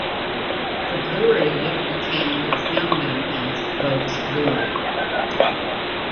The brewery later became what is now known as Boag's Brewery.